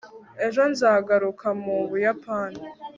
ejo nzagaruka mu buyapani